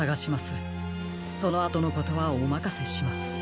そのあとのことはおまかせします。